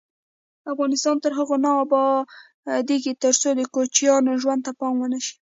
افغانستان تر هغو نه ابادیږي، ترڅو د کوچیانو ژوند ته پام ونشي.